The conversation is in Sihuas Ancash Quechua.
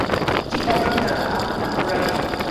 Chiklayupitaqa apitami rurayan.